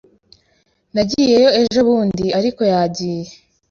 Nagiyeyo ejobundi, ariko yagiye.